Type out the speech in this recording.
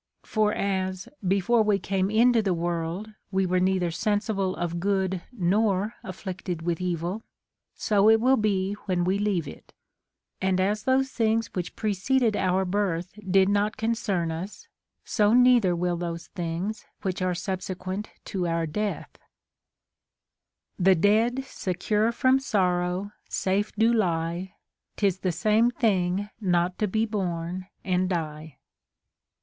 For as, before we came into the world, we were neither sensible of good nor afflict ed with evil, so it will be wlien we leave it ; and as those things which preceded our birth did not concern us, so neither will those things which are subsequent to our death :— The dead secure from sorrow safe do lie, 'Tis the same thing not to be born and die.